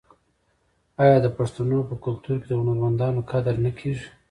آیا د پښتنو په کلتور کې د هنرمندانو قدر نه کیږي؟